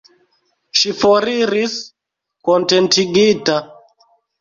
Ŝi foriris kontentigita.